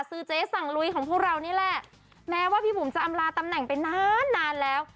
เจ๊สั่งลุยของพวกเรานี่แหละแม้ว่าพี่บุ๋มจะอำลาตำแหน่งไปนานนานแล้ว